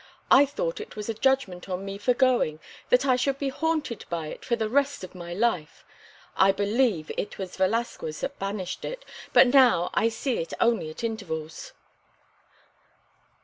I thought it was a judgment on me for going—that I should be haunted by it for the rest of my life. I believe it was Velasquez that banished it, but now I see it only at intervals."